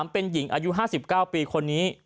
เป็นหญิงอายุ๕๙ปีคนนี้